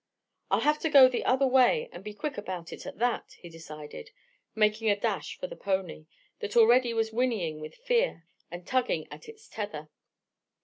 "I'll have to go the other way and be quick about it at that," he decided, making a dash for the pony, that already was whinnying with fear and tugging at its tether.